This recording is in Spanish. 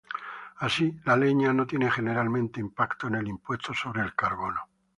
Así, la leña no tiene generalmente impacto en el impuesto sobre el carbono.